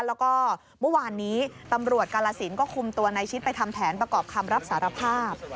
แล้วก็เมื่อวานนี้ตำรวจกาลสินก็คุมตัวในชิดไปทำแผนประกอบคำรับสารภาพ